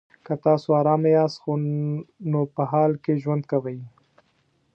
که تاسو ارامه یاست نو په حال کې ژوند کوئ.